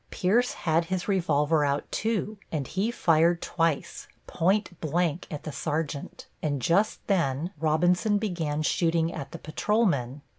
Pierce had his revolver out, too, and he fired twice, point blank at the sergeant, and just then Robinson began shooting at the patrolmen.